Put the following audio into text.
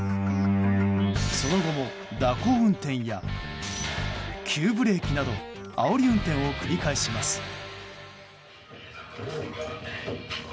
その後も蛇行運転や急ブレーキなどあおり運転を繰り返します。